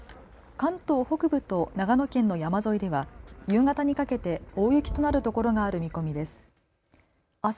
関東北部と長野県の山沿いでは夕方にかけて大雪となる所がある見込みです。